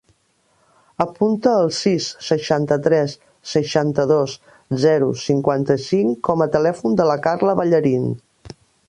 Apunta el sis, seixanta-tres, seixanta-dos, zero, cinquanta-cinc com a telèfon de la Carla Ballarin.